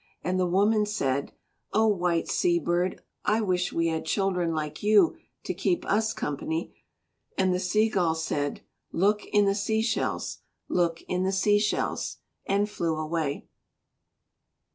And the woman said, "Oh, white sea bird, I wish we had children like you to keep us company." And the Sea gull said, "Look in the sea shells; look in the sea shells," and flew away.